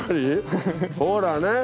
ほらね！